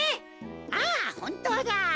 あっほんとうだ。